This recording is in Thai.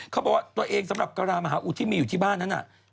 เขาบอกว่าตัวเองสำหรับกระดามหาอุทที่มีอยู่ที่บ้านนั้นน่ะ